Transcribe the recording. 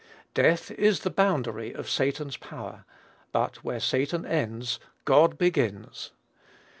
Death is the boundary of Satan's power; but where Satan ends, God begins.